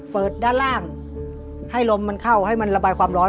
ด้านล่างให้ลมมันเข้าให้มันระบายความร้อน